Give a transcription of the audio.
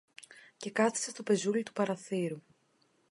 και κάθησε στο πεζούλι του παραθύρου